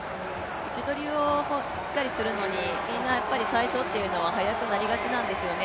位置取りをしっかりするのにみんなやっぱり最初っていうのは速くなりがちなんですよね。